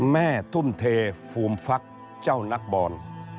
แม่ทุ่มเทฟูมฟักเจ้านักบอล